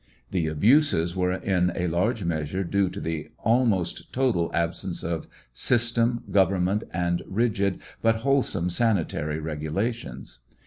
The abuses were in a large measure due to the almost total absence of system, government, and rigid, but wholesome sanitary regulations.